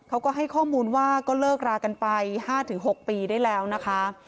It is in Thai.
เขาก็ให้ข้อมูลว่าก็เลิกรากันไป๕๖ปีได้แล้วนะคะ